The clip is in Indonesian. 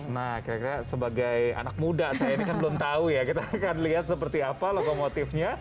nah kira kira sebagai anak muda saya ini kan belum tahu ya kita akan lihat seperti apa lokomotifnya